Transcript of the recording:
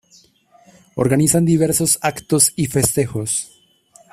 Organizan diversos actos y festejos.